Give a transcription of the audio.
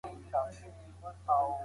د کار ځواک روزنه د تولید کیفیت بدلوي.